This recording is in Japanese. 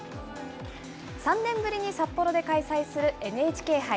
３年ぶりに札幌で開催するＮＨＫ杯。